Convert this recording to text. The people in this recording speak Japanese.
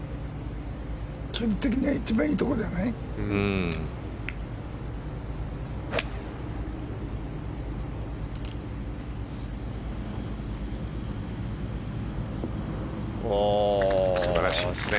距離的には一番いいところだね。